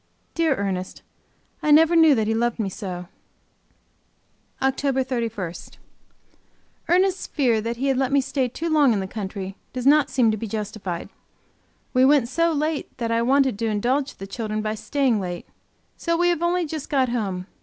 Dear Ernest! I never knew that he loved me so. OCTOBER 31. Ernest's fear that he had let me stay too long in the country does not seem to be justified. We went so late that I wanted to indulge the children by staying late. So we have only just got home.